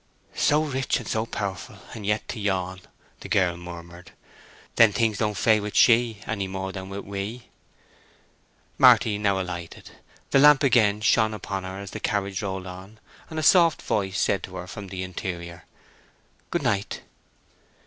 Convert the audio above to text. "So rich and so powerful, and yet to yawn!" the girl murmured. "Then things don't fay with she any more than with we!" Marty now alighted; the lamp again shone upon her, and as the carriage rolled on, a soft voice said to her from the interior, "Good night."